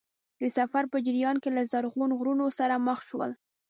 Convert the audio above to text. د سفر په جریان کې له زرغون غرونو سره مخ شول.